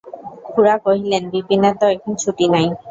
খুড়া কহিলেন, বিপিনের তো এখন ছুটি নাই।